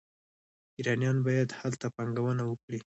ایرانیان باید هلته پانګونه وکړي.